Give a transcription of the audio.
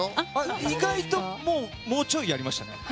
意外ともうちょいやりましたね。